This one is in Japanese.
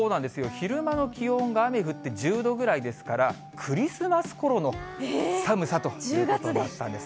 昼間の気温が雨降って１０度ぐらいですから、クリスマスころの寒さということになったんです。